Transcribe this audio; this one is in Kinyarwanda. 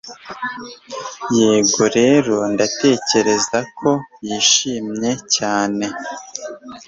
yego rero ndatekereza ko yishimye cyane